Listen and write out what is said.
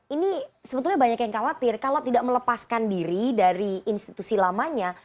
ini sebetulnya banyak yang khawatir kalau tidak melepaskan diri dari institusi lamanya